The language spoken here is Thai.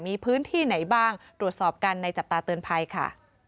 มีพื้นที่ไหนบ้างตรวจสอบกันในจับตาเตือนภัยค่ะ